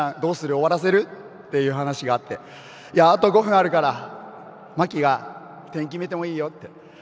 終わらせる？っていう話があってあと５分あるからマキが点決めてもいいよって。